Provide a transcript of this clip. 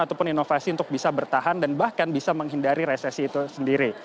ataupun inovasi untuk bisa bertahan dan bahkan bisa menghindari resesi itu sendiri